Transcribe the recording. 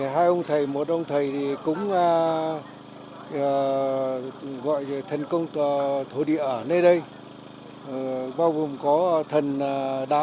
hai ông thầy một ông thầy cũng gọi thần công thổ địa ở nơi đây bao gồm có thần đá